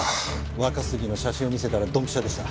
若杉の写真を見せたらドンピシャでした。